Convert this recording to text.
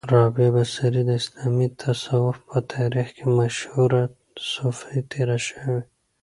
را بعه بصري د اسلامې تصوف په تاریخ کې مشهوره صوفۍ تیره شوی